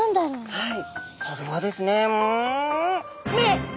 はい。